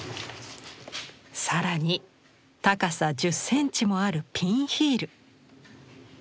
更に高さ１０センチもあるピンヒール。